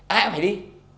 ai cũng phải đi